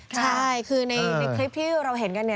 ใช่คือในคลิปที่เราเห็นกัน